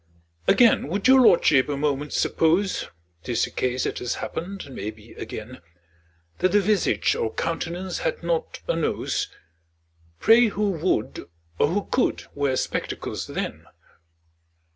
Again, would your lordship a moment suppose ('Tis a case that has happened, and may be again) That the visage or countenance had not a nose, Pray who would, or who could, wear spectacles then!